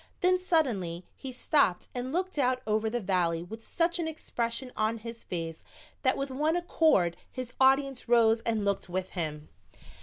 Then suddenly he stopped and looked out over the valley with such an expression on his face that with one accord his audience rose and looked with him.